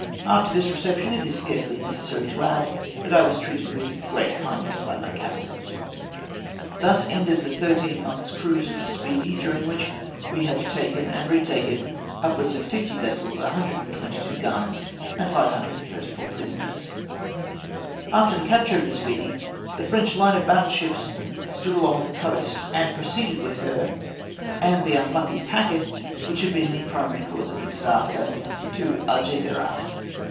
After this reception it is scarcely necessary to add that I was treated with great kindness by my captors. Thus ended the thirteen months' cruise of the Speedy, 128 TAKEN TO ALGESIRAS. during which we had taken and retaken upwards of 50 vessels, 122 guns, and 534 prisoners. After the capture of tlie Speedy, the French hne of battle sliips stood along the coast, and proceeded with her, and the unlucky packet which had been the primary cause of the disaster, to Algesiras.